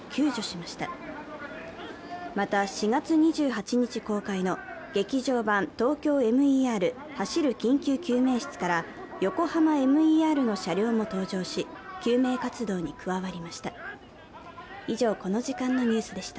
また、４月２８日公開の劇場版「ＴＯＫＹＯＭＥＲ走る緊急救命室」からＹＯＫＯＨＡＭＡＭＥＲの車両も登場し、救命活動に加わりました。